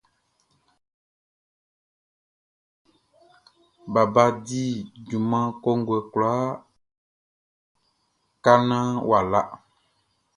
Baba di junman kɔnguɛ kwlaa ka naan wʼa la.